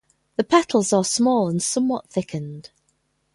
The petals are small and somewhat thickened.